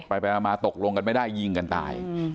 ไปมาตกลงกันไม่ได้ยิงกันตาย